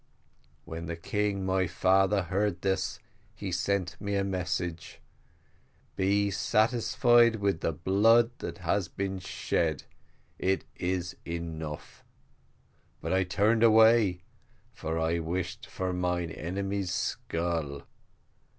"When the king my father heard this he sent me a message `Be satisfied with the blood that has been shed, it is enough' but I turned away, for I wished for mine enemy's skull.